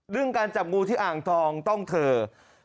เรื่องการจับโง่ทีอ่างทองต้องเถอะ